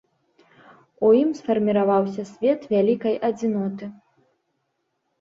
У ім сфарміраваўся свет вялікай адзіноты.